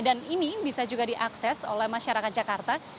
dan ini bisa juga diakses oleh masyarakat jakarta